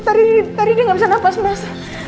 tadi dia nggak bisa nafas mas